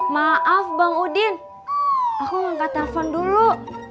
maaf bang udin aku ngangkat telepon dulu